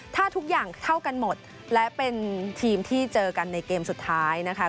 ถ้าทุกอย่างเท่ากันหมดและเป็นทีมที่เจอกันในเกมสุดท้ายนะคะ